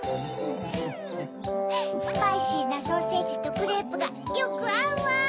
スパイシーなソーセージとクレープがよくあうわ！